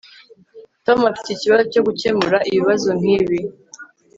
tom afite ikibazo cyo gukemura ibibazo nkibi